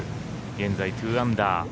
現在、２アンダー。